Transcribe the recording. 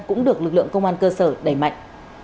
cũng được lực lượng công an cơ sở đẩy mạnh